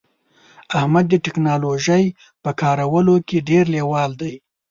احمد د ټکنالوژی په کارولو کې ډیر لیوال دی